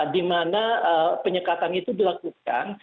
di mana penyekatan itu dilakukan